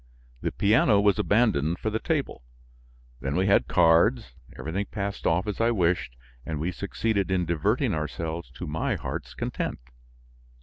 The piano was abandoned for the table; then we had cards; everything passed off as I wished and we succeeded in diverting ourselves to my heart's content.